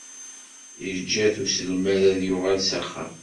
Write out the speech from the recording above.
Yeǧǧa-t uselmad ad yuɣal s axxam.